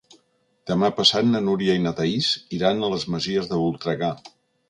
Demà passat na Núria i na Thaís iran a les Masies de Voltregà.